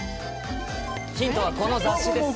ヒントは、この雑誌です。